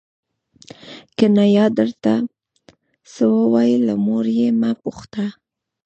که نیا درته څه وویل له مور یې مه پوښته.